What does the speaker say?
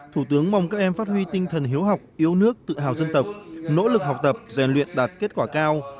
thủ tướng mong các em phát huy tinh thần hiếu học yêu nước tự hào dân tộc nỗ lực học tập rèn luyện đạt kết quả cao